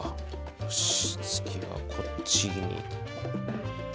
よし次はこっちに。